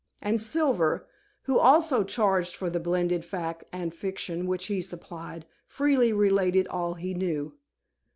And Silver who also charged for the blended fact and fiction which he supplied freely related all he knew.